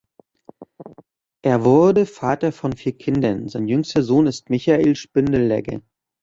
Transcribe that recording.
Er wurde Vater von vier Kindern; sein jüngster Sohn ist Michael Spindelegger.